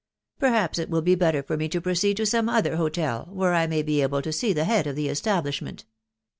Perhaps it will be better for me to proceed to some other hoteJ, where I may be able to see the head of the establishment.